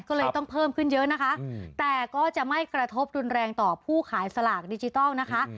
ก็เลยต้องเพิ่มขึ้นเยอะนะคะแต่ก็จะไม่กระทบรุนแรงต่อผู้ขายสลากดิจิทัลนะคะ